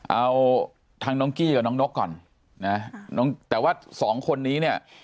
เอาทางน้องกี้กับน้องนกก่อนนะแต่ว่าสองคนนี้เนี่ย